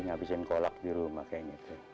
ngabisin kolak di rumah kayaknya tuh